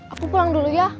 aku pulang dulu ya